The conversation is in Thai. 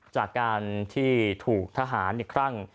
จากการที่ถูกทหารอีกครั้ง